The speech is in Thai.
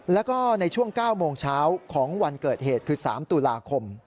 แล้วก็ในช่วง๙โมงเช้าของวันเกิดเหตุคือ๓ตุลาคม